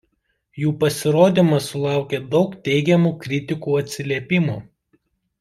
Jų pasirodymas sulaukė daug teigiamų kritikų atsiliepimų.